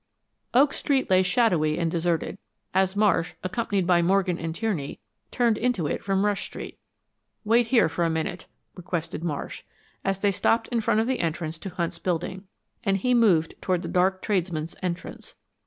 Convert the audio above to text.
Oak Street lay shadowy and deserted, as Marsh, accompanied by Morgan and Tierney, turned into it from Rush Street. "Wait here for a minute," requested Marsh, as they stopped in front of the entrance to Hunt's building, and he moved toward the dark tradesmen's entrance.